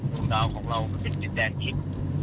ดวงดาวของเราก็เป็นแดนทิศ